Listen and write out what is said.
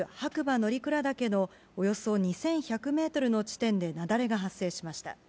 乗鞍岳のおよそ２１００メートルの地点で雪崩が発生しました。